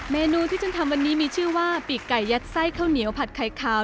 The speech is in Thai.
เมนูที่ฉันทำวันนี้มีชื่อว่าปีกไก่ยัดไส้ข้าวเหนียวผัดไข่ขาว